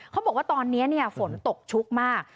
เขาบอกว่าตอนนี้ฝนตกชุกมาก